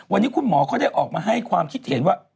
วันนี้คุณหมอเขาได้ออกมาให้ความคิดเห็นว่า